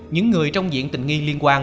những người trong diện tình nghi liên quan